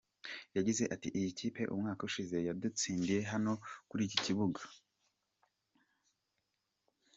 Yagize ati “Iyi kipe umwaka ushize yadutsindiye hano kuri iki kibuga.